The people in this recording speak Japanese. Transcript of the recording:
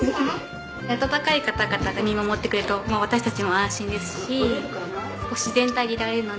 温かい方々が見守ってくれると私たちも安心ですし自然体でいられるので。